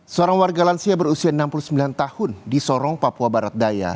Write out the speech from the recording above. seorang warga lansia berusia enam puluh sembilan tahun di sorong papua barat daya